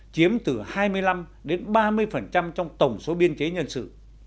chiếm từ hai mươi năm đến ba mươi trong tổng số biên chế nhân sự